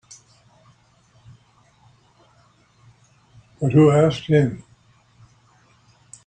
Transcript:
But who asked him?